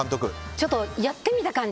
ちょっとやってみた感じ